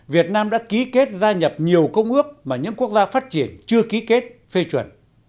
việt nam đã ký kết gia nhập nhiều công ước mà những quốc gia phát triển chưa ký kết phê chuẩn